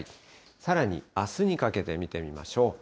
さらに、あすにかけて見てみましょう。